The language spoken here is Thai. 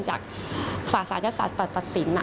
จากฝ่าสารยังศาสตร์ตัดสิน